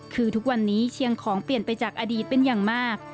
คือทุกวันนี้เชียงของเปลี่ยนไปจากอดีตเป็นอย่างมาก